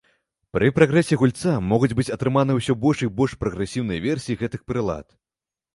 Пры прагрэсе гульца могуць быць атрыманыя ўсё больш і больш прагрэсіўныя версіі гэтых прылад.